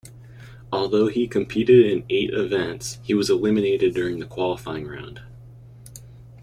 Although he competed in eight events, he was eliminated during the qualifying round.